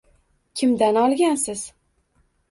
Kimdan olgansiz